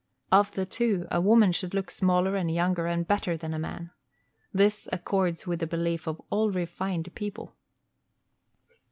Of the two, a woman should look smaller and younger and better than a man. This accords with the belief of all refined people.